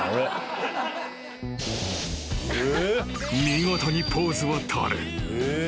［見事にポーズを取る］